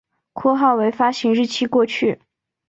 括号为发行日期过去